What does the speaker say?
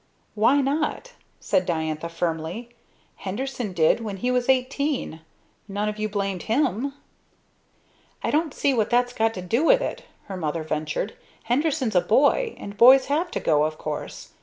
"Why not?" said Diantha firmly. "Henderson did when he was eighteen. None of you blamed him." "I don't see what that's got to do with it," her mother ventured. "Henderson's a boy, and boys have to go, of course.